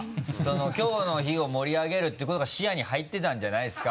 きょうの日を盛り上げるっていうことが視野に入ってたんじゃないですか？